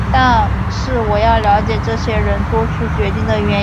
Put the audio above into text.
但是我要了解这些人作出决定的原因。